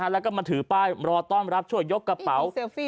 แล้วก็มาถือป้ายรอต้อนรับช่วยยกกระเป๋า